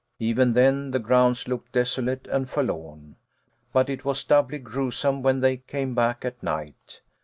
Even then the grounds looked desolate and forlorn ; but it was doubly grue some when they came back at night.